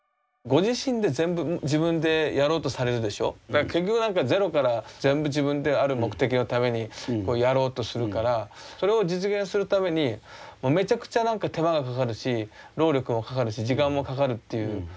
だから結局なんかゼロから全部自分である目的のためにやろうとするからそれを実現するためにもうめちゃくちゃなんか手間がかかるし労力もかかるし時間もかかるっていうことをされてますよね。